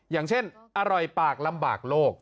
อย่างเช่นอร่อยปากลำบากโลก